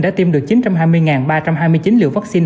đã tiêm được chín trăm hai mươi ba trăm hai mươi chín liều vaccine